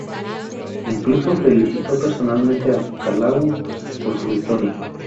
Incluso felicitó personalmente a Qalawun por su victoria.